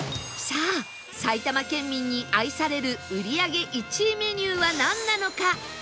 さあ埼玉県民に愛される売り上げ１位メニューはなんなのか？